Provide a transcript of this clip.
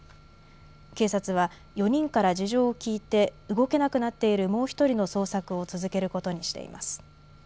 警察は４人から事情を聞いて動けなくなっているもう１人の捜索を続けることにしています。